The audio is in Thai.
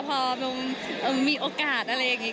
พอมีโอกาสอะไรอย่างนี้